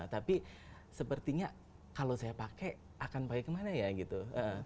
tapi sepertinya kalau saya pakai akan pakai kemana ya gitu